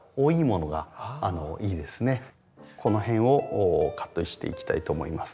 この辺をカットしていきたいと思います。